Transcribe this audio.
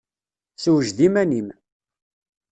Sewjed iman-im.